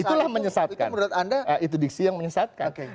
itulah menyesatkan itu diksi yang menyesatkan